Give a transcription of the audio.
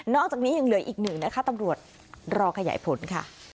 จากนี้ยังเหลืออีกหนึ่งนะคะตำรวจรอขยายผลค่ะ